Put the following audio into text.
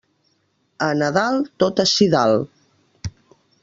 A Nadal, tot ací dalt.